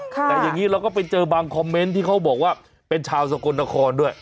แต่อย่างนี้เราก็ไปเจอบางคอมเมนต์ที่เขาบอกว่าเป็นชาวสกลนครด้วย